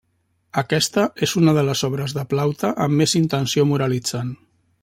Aquesta és una de les obres de Plaute amb més intenció moralitzant.